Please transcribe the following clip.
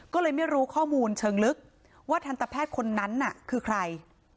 ก็เลยไม่รู้ข้อมูลเชิงลึกว่าทันตแพทย์คนนั้นน่ะคือใคร